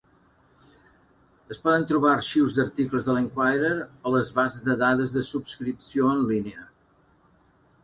Es poden trobar arxius d'articles de "l'Enquirer" a les bases de dades de subscripció en línia.